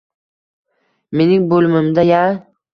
Mening bo`limimda-ya